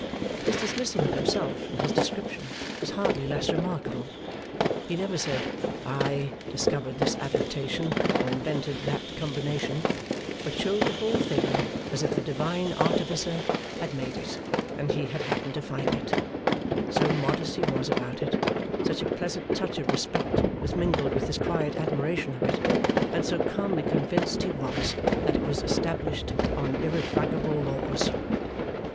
His dismissal of himself from his description, was hardly less remarkable. He never said, I discovered this adaptation or invented that combination; but showed the whole thing as if the Divine artificer had made it, and he had happened to find it; so modest he was about it, such a pleasant touch of respect was mingled with his quiet admiration of it, and so calmly convinced he was that it was established on irrefragable laws.